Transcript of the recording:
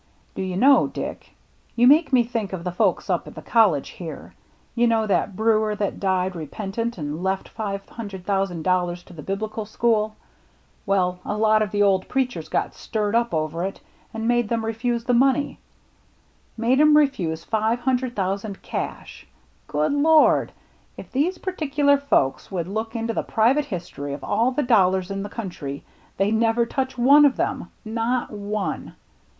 " Do you know, Dick, you make me think of the folks up at the college here. You know that brewer that died repentant and left five hundred thousand dollars to the Biblical School ? Well, a lot of the old preachers got stirred up over it and made them refuse the money — 144 ' THE MERRT ANNE made 'em refuse five hundred thousand cash ! Good Lord! if these particular folks would look into the private history of all the dollars in the country, they'd never touch one of them, — not one.